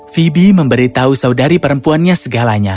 fibi memberitahu saudari perempuannya segalanya